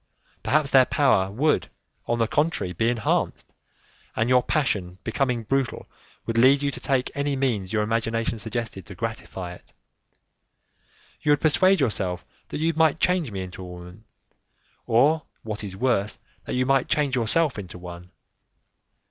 Perhaps their power would, on the contrary, be enhanced, and your passion, becoming brutal, would lead you to take any means your imagination suggested to gratify it. You would persuade yourself that you might change me into a woman, or, what is worse, that you might change yourself into one.